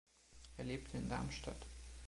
Er lebte in Darmstadt.